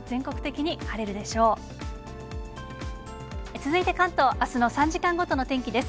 続いて関東、あすの３時間ごとの天気です。